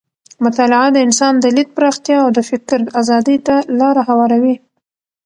مطالعه د انسان د لید پراختیا او د فکر ازادۍ ته لاره هواروي.